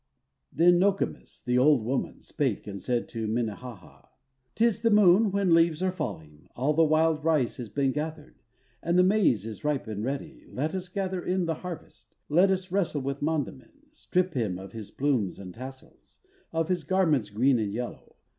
Then Nokomis, the old woman, Spake, and said to Minnehaha, "'Tis the Moon when leaves are falling, All the wild rice has been gathered, And the maize is ripe and ready; Let us gather in the harvest, Let us wrestle with Mondamin, Strip him of his plumes and tassels, Of his garments green and yellow."